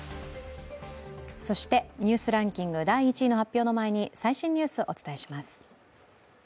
そして「ニュースランキング」第１位の発表の前に最新ニュース、お伝えします。